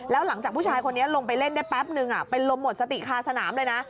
แล้วหลังจากผู้ชายคนนี้ลงไปเล่นได้แป๊บนึงเป็นลมหมดสติคาสนามเลยนะ